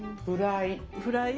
フライ。